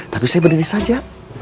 tapi saya berdiri saja